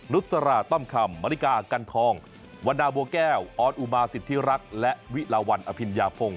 นุษราต้อมคำมริกากันทองวันดาบัวแก้วออสอุมาสิทธิรักษ์และวิลาวันอภิญญาพงศ